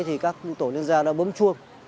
thì các tổ liên gia đã bấm chuông